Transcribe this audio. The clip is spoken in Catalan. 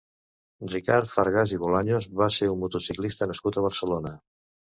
Ricard Fargas i Bolaños va ser un motociclista nascut a Barcelona.